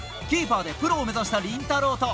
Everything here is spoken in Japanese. キーパーでプロを目指したりんたろー。